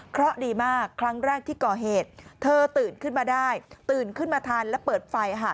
เพราะดีมากครั้งแรกที่ก่อเหตุเธอตื่นขึ้นมาได้ตื่นขึ้นมาทันและเปิดไฟ